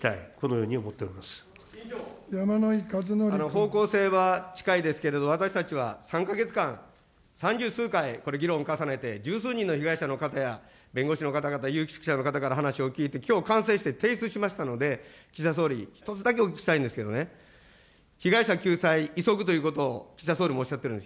方向性は近いですけれども、私たちは３か月間、三十数回、これ、議論を重ねて、十数人の被害者の方々や、弁護士の方々、有識者の方々から話を聞いて、きょう完成して提出しましたので、岸田総理、１つだけお聞きしたいんですけれどもね、被害者救済、急ぐということを岸田総理もおっしゃっている。